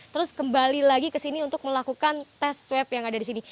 terus kembali lagi ke sini untuk melakukan tes swab yang ada di sini